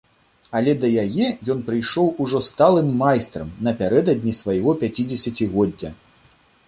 Але да яе ён прыйшоў ужо сталым майстрам, напярэдадні свайго пяцідзесяцігоддзя.